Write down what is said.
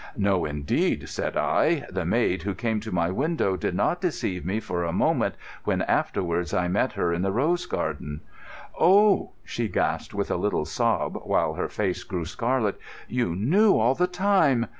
"No, indeed," said I. "The maid who came to my window did not deceive me for a moment when afterwards I met her in the rose garden." "Oh!" she gasped with a little sob, while her face grew scarlet. "You knew all the time?